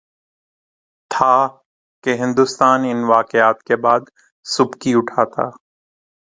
تھا کہ ہندوستان ان واقعات کے بعد سبکی اٹھاتا۔